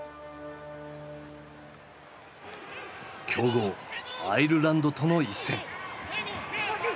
強豪アイルランドとの一戦。